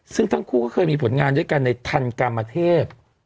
ซึ่งทั้งคู่ก็เคยมีผลงานด้วยกันในทันกรรมเทพ